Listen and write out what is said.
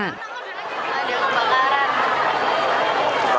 ada yang kebakaran